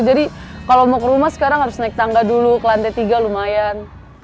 jadi kalau mau ke rumah sekarang harus naik tangga dulu ke lantai tiga lumayan